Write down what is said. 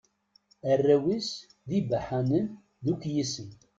Arraw-is d ibaḥanen, d ukyisen.